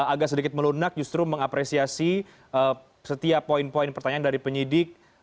agak sedikit melunak justru mengapresiasi setiap poin poin pertanyaan dari penyidik